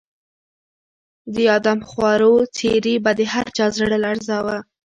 د آدمخورو څېرې به د هر چا زړه لړزاوه.